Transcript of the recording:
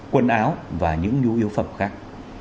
quần áo và những nhú yếu phẩm khác